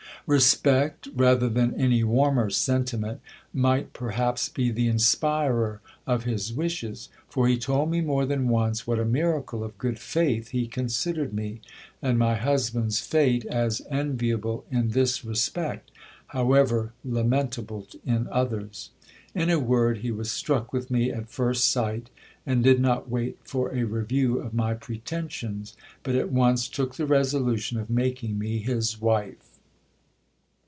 Respect, rather than any warmer sentiment, might perhaps be the inspirer of his wishes. For he told me more than once what a miracle of good faith he considered me, and my husband's fate as enviable in this respect, THE LADY'S HISTORY. 23 however lamentable in others. In a word, he was struck with me at first sight, and did not wait for a review of my pretensions, but at once took the resolution, of making me his wife.